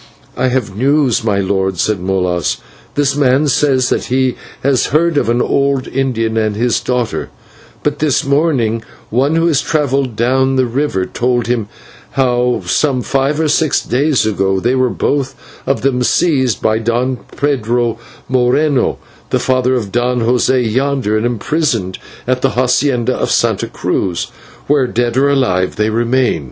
"I have news, my lord," said Molas. "This man says that he has heard of the old Indian and his daughter, and that but this morning one who has travelled down the river told him how some five or six days ago they were both of them seized by Don Pedro Moreno, the father of Don José yonder, and imprisoned at the /hacienda/ of Santa Cruz, where, dead or alive, they remain."